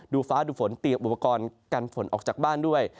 ฟ้าดูฝนเตรียมอุปกรณ์กันฝนออกจากบ้านด้วย